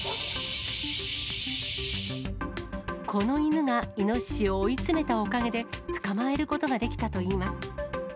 この犬がイノシシを追い詰めたおかげで、捕まえることができたといいます。